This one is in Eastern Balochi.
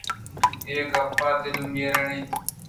اے گپاں دل ءَ میاریت